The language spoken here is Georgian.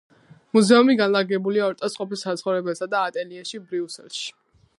მუზეუმი განლაგებულია ორტას ყოფილ საცხოვრებელსა და ატელიეში, ბრიუსელში.